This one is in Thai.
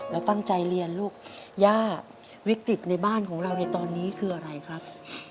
แล้วตั้งใจเรียนลูกย่าวิกฤตในบ้านของเราในตอนนี้คืออะไรครับ